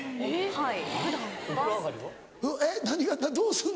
はい。